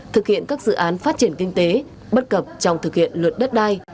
thực hiện các dự án phát triển kinh tế bất cập trong thực hiện luật đất đai